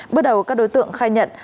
bước đầu các đối tượng khai nhận